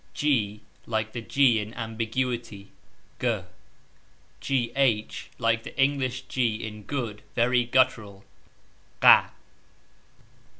... Like the y in ambiguity ......... Like the English g in good, very guttural